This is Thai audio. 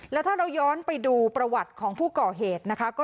แล้วถ้าเราย้อนไปดูประวัติของผู้ก่อเหตุนะคะ